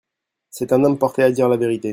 C'est un homme porté à dire la vérité.